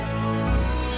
sampai jumpa lagi